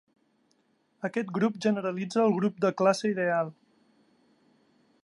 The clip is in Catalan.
Aquest grup generalitza el grup de classe ideal.